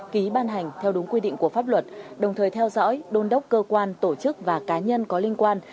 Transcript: ký ban hành theo đúng quy định của pháp luật đồng thời theo dõi đôn đốc cơ quan tổ chức và cá nhân có liên quan